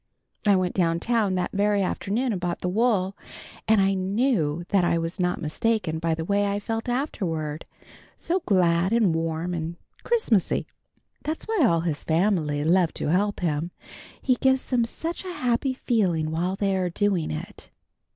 I went down town that very afternoon and bought the wool, and I knew that I was not mistaken by the way I felt afterward, so glad and warm and Christmasy. That's why all his family love to help him. He gives them such a happy feeling while they are doing it."